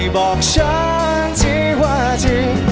บอกฉันที่ว่าที่